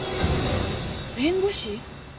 弁護士？